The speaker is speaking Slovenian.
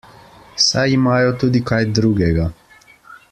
Saj imajo tudi kaj drugega.